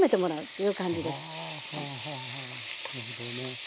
はい。